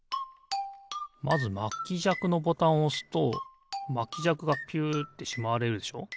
まずまきじゃくのボタンをおすとまきじゃくがピュッてしまわれるでしょ。